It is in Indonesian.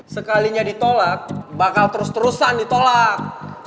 sekalinya ditolak bakal terus terusan ditolak